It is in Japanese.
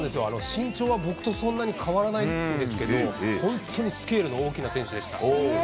身長は僕とそんなに変わらないんですけど、本当にスケールの大きな選手でした。